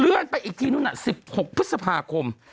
เลื่อนไปอีกทีนู่นน่ะ๑๖พฤษภาคม